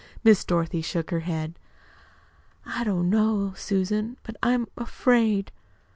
Miss Dorothy shook her head. "I don't know, Susan; but I'm afraid."